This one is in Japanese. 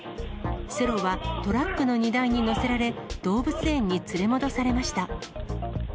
セロはトラックの荷台に乗せられ、動物園に連れ戻されました。